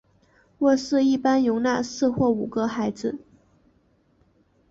卧室一般容纳四或五个孩子。